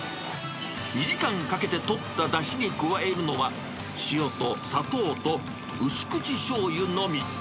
２時間かけて取ったダシに加えるのは、塩と砂糖と薄口しょうゆのみ。